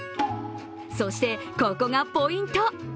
そして、ここがポイント！